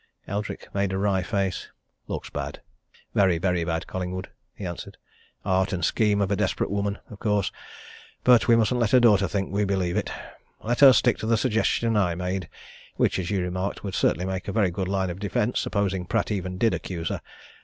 Eldrick made a wry face. "Looks bad! very, very bad, Collingwood!" he answered. "Art and scheme of a desperate woman, of course. But we mustn't let her daughter think we believe it. Let her stick to the suggestion I made which, as you remarked, would certainly make a very good line of defence, supposing Pratt even did accuse her.